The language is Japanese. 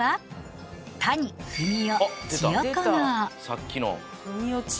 さっきの。